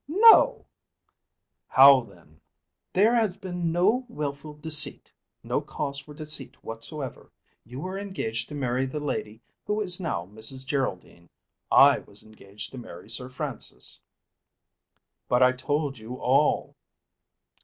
"No!" "How then?" "There has been no wilful deceit, no cause for deceit whatsoever. You were engaged to marry the lady who is now Mrs. Geraldine. I was engaged to marry Sir Francis." "But I told you all."